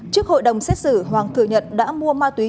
trước hội đồng xét xử hoàng thừa nhận đã mua ma túy